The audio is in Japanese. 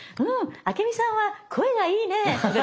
「明美さんは声がいいね！」とかって。